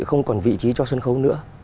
không còn vị trí cho sân khấu nữa